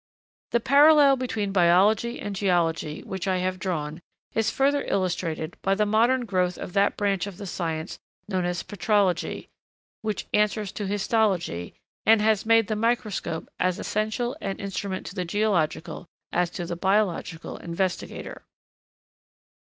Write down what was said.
The parallel between Biology and Geology, which I have drawn, is further illustrated by the modern growth of that branch of the science known as Petrology, which answers to Histology, and has made the microscope as essential an instrument to the geological as to the biological investigator.